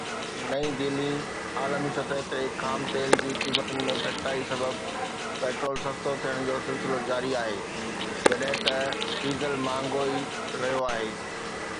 نئين دهلي (م ڊ) عالمي سطح تي خام تيل جي قيمتن ۾ گهٽتائي سبب پيٽرول سستو ٿيڻ جو سلسلو جاري آهي جڏهن ته ڊيزل مهانگو ٿي رهيو آهي.